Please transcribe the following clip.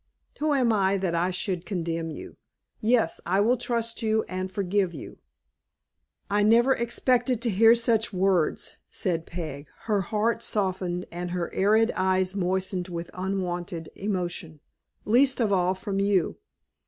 "Who am I that I should condemn you? Yes, I will trust you, and forgive you." "I never expected to hear such words," said Peg, her heart softened, and her arid eyes moistened by unwonted emotion, "least of all from you.